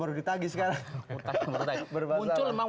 baru ditagi sekarang muncul memang